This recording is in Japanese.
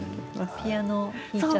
ピアノ。